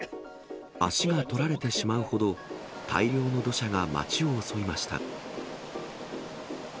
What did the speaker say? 足がとられてしまうほど、大量の土砂が街を襲いました。